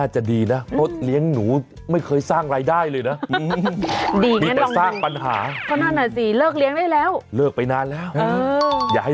เฉินรับชมได้เลยขอรับ